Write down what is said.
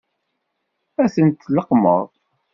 Ad tent-tleqqmeḍ?